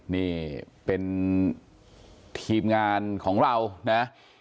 นี่เป็นทีมงานของเรานะ